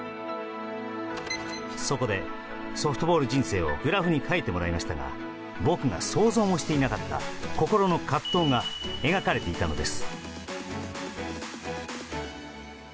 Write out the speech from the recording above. そこでソフトボール人生をグラフに描いてもらいましたが僕が想像もしていなかった心の葛藤が描かれていたのです。